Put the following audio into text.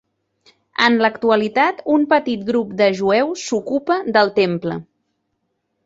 En l'actualitat, un petit grup de jueus s'ocupa del temple.